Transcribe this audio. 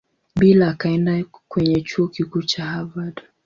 Bill akaenda kwenye Chuo Kikuu cha Harvard.